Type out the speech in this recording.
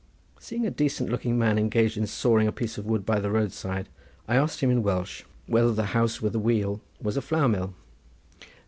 Seeing a decent looking man engaged in sawing a piece of wood by the roadside, I asked him in Welsh whether the house with the wheel was a flour mill.